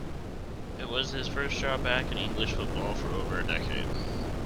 It was his first job back in English football for over a decade.